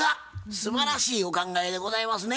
すばらしいお考えでございますね。